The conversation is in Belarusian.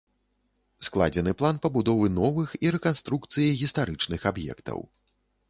Складзены план пабудовы новых і рэканструкцыі гістарычных аб'ектаў.